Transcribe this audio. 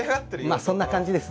まあそんな感じですね。